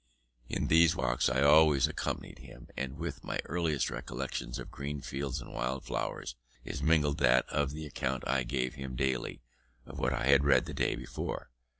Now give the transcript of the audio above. In these walks I always accompanied him, and with my earliest recollections of green fields and wild flowers, is mingled that of the account I gave him daily of what I had read the day before.